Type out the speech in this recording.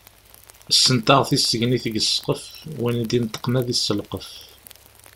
Ssentaɣ tisegnit deg ssqef, win i d-ineṭqen ad isselqef.